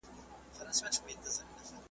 د سهار باده تازه نسیمه .